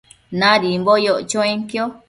Nadimbo yoc chuenquio